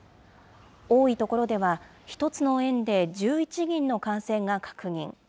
多い所では、１つの園で１１人の感染が確認。